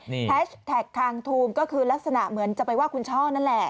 แฮชแท็กทางทูมก็คือลักษณะเหมือนจะไปว่าคุณช่อนั่นแหละ